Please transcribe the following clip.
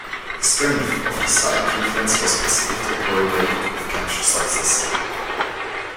The strength of this side preference was positively correlated with capture success.